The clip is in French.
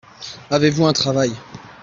Avez-vous un travail ?